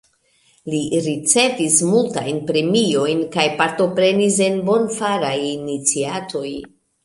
Li ricevis multajn premiojn kaj partoprenis en bonfaraj iniciatoj.